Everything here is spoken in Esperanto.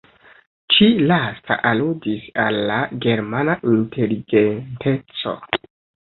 Ĉi-lasta aludis al la germana inteligenteco.